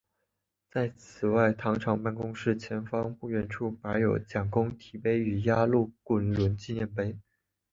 此外在糖厂办公室前方不远处摆有蒋公堤碑与压路滚轮纪念碑。